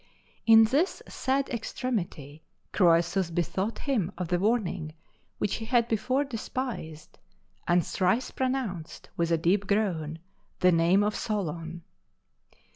In this sad extremity, Croesus bethought him of the warning which he had before despised, and thrice pronounced, with a deep groan, the name of Solon.